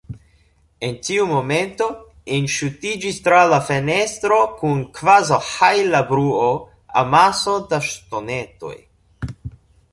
En tiu momento, enŝutiĝis tra la fenestro, kun kvazaŭ-hajla bruo, amaso da ŝtonetoj.